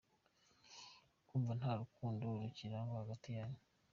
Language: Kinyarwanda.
Kumva nta rukundo rukirangwa hagati yanyu.